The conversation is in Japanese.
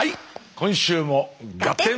今週も「ガッテン！」。